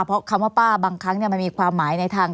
เพราะคำว่าป้าบางครั้งมันมีความหมายในทาง